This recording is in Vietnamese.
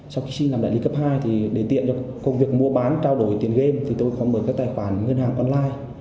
sau khi làm đại lý cấp hai thì để tiện cho công việc mua bán trao đổi tiền game thì tôi có mở các tài khoản ngân hàng online